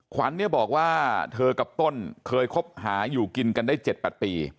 ขวัญเนี่ยบอกว่าเธอกับต้นเคยคบหาอยู่กินกันได้๗๘ปี